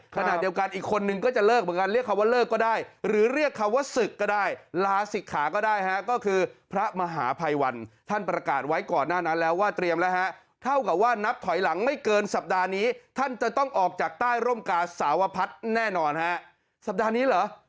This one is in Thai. ขณะเดียวกันอีกคนนึงก็จะเลิกเหมือนกันเรียกคำว่าเลิกก็ได้หรือเรียกคำว่าศึกก็ได้ลาศิกขาก็ได้ฮะก็คือพระมหาภัยวันท่านประกาศไว้ก่อนหน้านั้นแล้วว่าเตรียมแล้วฮะเท่ากับว่านับถอยหลังไม่เกินสัปดาห์นี้ท่านจะต้องออกจากใต้ร่มกาสาวพัฒน์แน่นอนฮะสัปดาห์นี้เหรอ